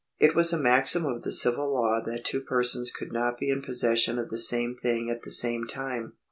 It was a maxim of the civil law that two persons could not be in possession of the same thing at the same time.